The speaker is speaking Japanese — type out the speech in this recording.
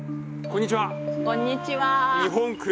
こんにちは。